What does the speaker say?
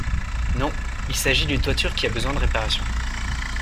Non, il s’agit d’une toiture qui a besoin de réparations…